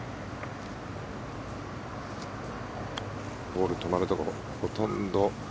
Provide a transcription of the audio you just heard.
ボール、止まるところほとんど。